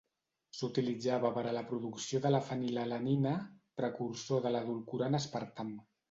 S'utilitzava per a la producció de la fenilalanina, precursor de l'edulcorant aspartam.